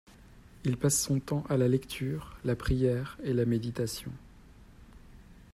Il passe son temps à la lecture, la prière et la méditation.